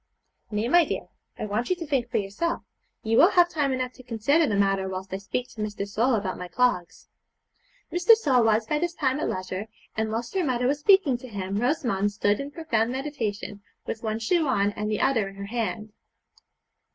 'Nay, my dear, I want you to think for yourself; you will have time enough to consider the matter whilst I speak to Mr. Sole about my clogs.' Mr. Sole was by this time at leisure, and whilst her mother was speaking to him Rosamond stood in profound meditation, with one shoe on and the other in her hand.